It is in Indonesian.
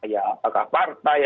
ya apakah partai